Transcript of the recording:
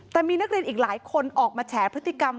แต่มีนักเรียนอีกหลายคนออกมาแฉพฤติกรรม